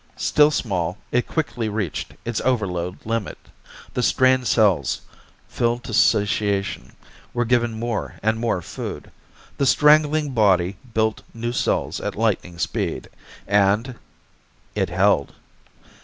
Still small, it quickly reached its overload limit. The strained cells, filled to satiation, were given more and more food. The strangling body built new cells at lightning speed. And It held.